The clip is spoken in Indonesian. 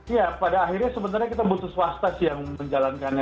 iya pada akhirnya sebenarnya kita butuh swasta sih yang menjalankannya